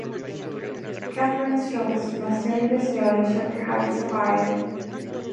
Kathryn Schulz nació y creció en Shaker Heights, Ohio.